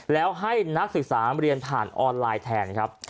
แล้วให้นักศึกษาเรียนผ่านออนไลน์แทนครับ